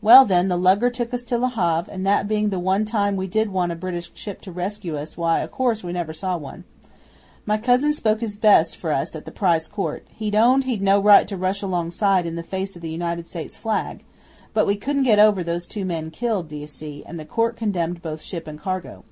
'Well, then, the lugger took us to Le Havre, and that being the one time we did want a British ship to rescue us, why, o' course we never saw one. My cousin spoke his best for us at the Prize Court. He owned he'd no right to rush alongside in the face o' the United States flag, but we couldn't get over those two men killed, d'ye see, and the Court condemned both ship and cargo.